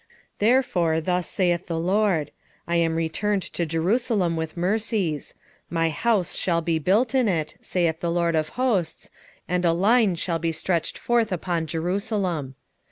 1:16 Therefore thus saith the LORD; I am returned to Jerusalem with mercies: my house shall be built in it, saith the LORD of hosts, and a line shall be stretched forth upon Jerusalem.